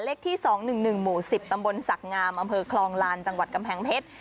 เลขที่สองหนึ่งหนึ่งหมู่สิบตำบลศักดิ์งามอำเภอคลองลานจังหวัดกำแพงเพชร